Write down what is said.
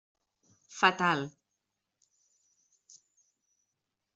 Fatal.